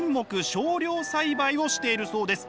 少量栽培をしているそうです。